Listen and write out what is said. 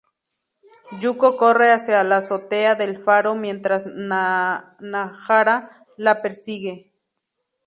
Yuko corre hacia la azotea del faro mientras Nanahara la persigue.